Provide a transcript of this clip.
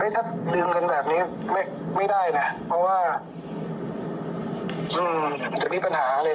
ถ้าลืมกันแบบนี้ไม่ได้นะเพราะว่าจะมีปัญหาอะไร